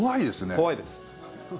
怖いです。